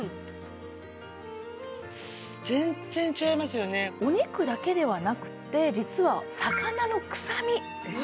おいしっお肉だけではなくって実は魚の臭み